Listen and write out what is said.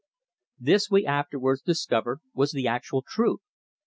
This, we afterwards discovered, was the actual truth.